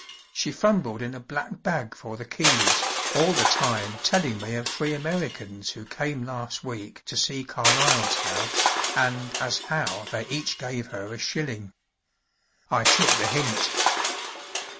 She fumbled in a black bag for the keys, all the time telling me of three Americans who came last week to see Carlyle's house, and "as how" they each gave her a shilling. I took the hint.